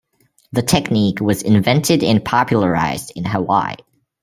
The technique was invented and popularized in Hawaii.